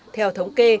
theo thống kê